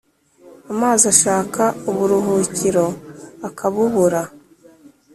amazi ashaka uburuhukiro akabubura